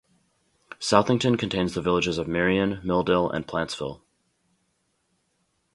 Southington contains the villages of Marion, Milldale, and Plantsville.